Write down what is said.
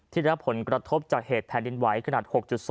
ได้รับผลกระทบจากเหตุแผ่นดินไหวขนาด๖๒